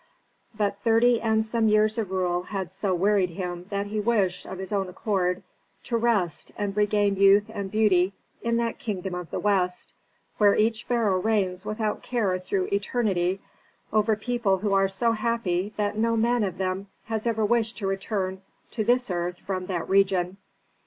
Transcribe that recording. But thirty and some years of rule had so wearied him that he wished, of his own accord, to rest and regain youth and beauty in that kingdom of the west, where each pharaoh reigns without care through eternity over people who are so happy that no man of them has ever wished to return to this earth from that region.